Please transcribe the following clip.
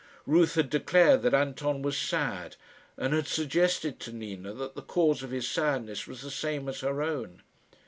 Ruth had declared that Anton was sad, and had suggested to Nina that the cause of his sadness was the same as her own.